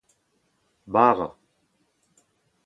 bara